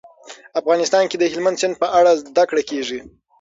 افغانستان کې د هلمند سیند په اړه زده کړه کېږي.